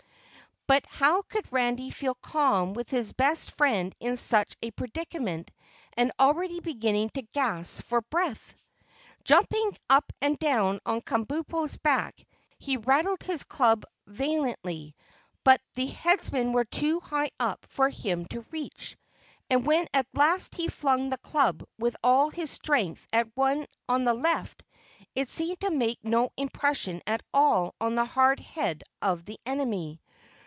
But how could Randy feel calm with his best friend in such a predicament and already beginning to gasp for breath? Jumping up and down on Kabumpo's back, he rattled his club valiantly, but the Headmen were too high up for him to reach, and when at last he flung the club with all his strength at the one on the left, it seemed to make no impression at all on the hard head of the enemy.